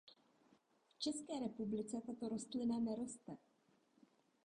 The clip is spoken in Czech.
V České republice tato rostlina neroste.